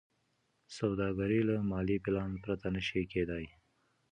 سوداګري له مالي پلان پرته نشي کېدای.